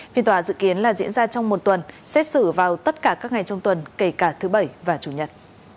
phiên tòa dự kiến là diễn ra trong một tuần xét xử vào tất cả các ngày trong tuần kể cả thứ bảy và chủ nhật